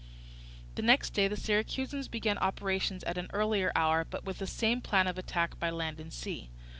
The next day the Syracusans began operations at an earlier hour, but with the same plan of attack by land and sea.